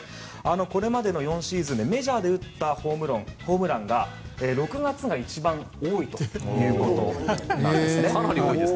これまでの４シーズンでメジャーで打ったホームランは６月が一番多いということです。